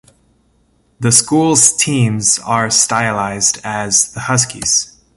The school's teams are stylized as the Huskies.